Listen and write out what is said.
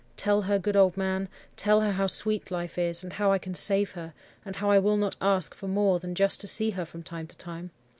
Tell her, good old man, tell her how sweet life is; and how I can save her; and how I will not ask for more than just to see her from time to time.